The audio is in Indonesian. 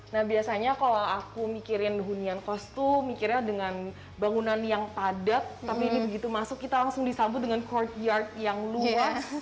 nah biasanya kalau aku mikirin hunian kos tuh mikirnya dengan bangunan yang padat tapi ini begitu masuk kita langsung disambut dengan courtyard yang luas